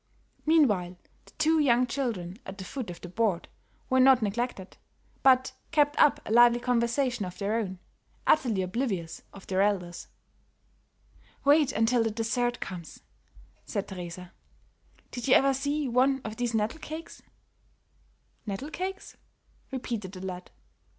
Meanwhile, the two young children, at the foot of the board, were not neglected, but kept up a lively conversation of their own, utterly oblivious of their elders. "Wait until the dessert comes," said Teresa. "Did you ever see one of these nettle cakes?" [Illustration: "IT TOWERED HIGH ABOVE HER HEAD."] "Nettle cakes?" repeated the lad.